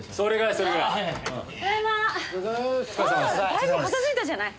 だいぶ片付いたじゃない。